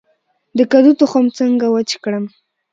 د کدو تخم څنګه وچ کړم؟